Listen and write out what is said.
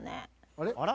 あら？